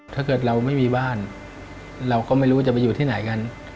ถ้าเกิดเราไม่มีบ้านเราก็ไม่รู้จะไปอยู่ที่ไหนกัน